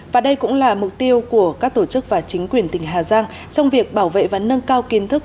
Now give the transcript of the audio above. và đây cũng là mục tiêu của các tổ chức và chính quyền tỉnh hà giang trong việc bảo vệ và nâng cao kiến thức